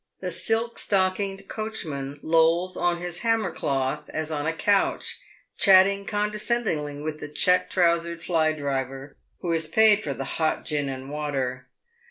The silk stockinged coach man lolls on his hammer cloth as on a couch, chatting condescendingly with the check trousered fly driver who has paid for the hot gin and water.